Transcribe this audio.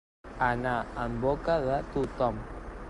Anar en boca de tothom.